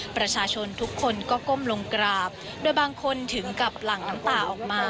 ประชาชนทุกคนก็ก้มลงกราบโดยบางคนถึงกับหลั่งน้ำตาออกมา